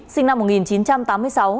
sinh năm một nghìn chín trăm tám mươi sáu